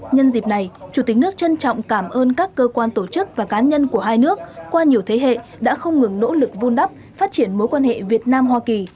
nhân dịp này chủ tịch nước trân trọng cảm ơn các cơ quan tổ chức và cá nhân của hai nước qua nhiều thế hệ đã không ngừng nỗ lực vun đắp phát triển mối quan hệ việt nam hoa kỳ